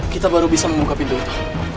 kita baru bisa membuka pintu itu